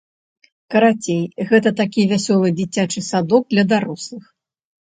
Карацей, гэта такі вясёлы дзіцячы садок для дарослых.